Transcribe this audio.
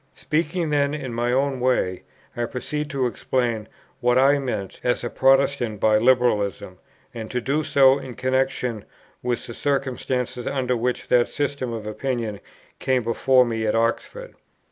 Speaking then in my own way, I proceed to explain what I meant as a Protestant by Liberalism, and to do so in connexion with the circumstances under which that system of opinion came before me at Oxford.